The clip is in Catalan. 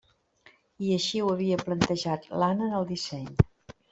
I així ho havia plantejat l'Anna en el disseny.